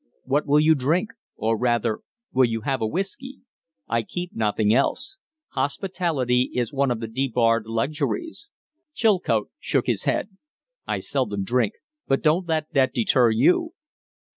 "What will you drink? Or, rather, will you have a whiskey? I keep nothing else. Hospitality is one of the debarred luxuries." Chilcote shook his head. "I seldom drink. But don't let that deter you."